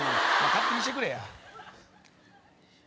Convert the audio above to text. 勝手にしてくれや。